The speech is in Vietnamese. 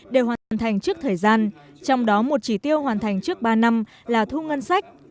đều hoàn thành trước thời gian trong đó một chỉ tiêu hoàn thành trước ba năm là thu ngân sách